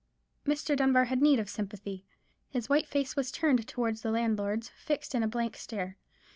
Mr. Dunbar had need of sympathy. His white face was turned towards the landlord's, fixed in a blank stare.